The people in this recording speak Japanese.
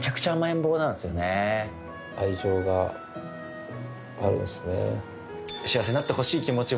愛情があるんですね。